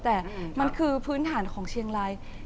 แต่มันคือพื้นฐานของเชียงราย